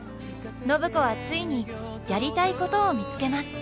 暢子はついにやりたいことを見つけます。